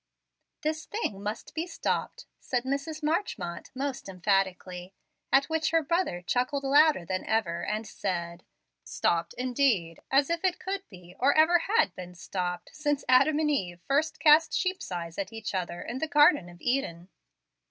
"This thing must be stopped," said Mrs. Marchmont, most emphatically; at which her brother chuckled louder than ever, and said, "Stopped, indeed! As if it could be, or ever had been 'stopped,' since Adam and Eve first cast sheep's eyes at each other in the Garden of Eden."